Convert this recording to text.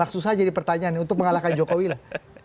susah jadi pertanyaan untuk mengalahkan jokowi lah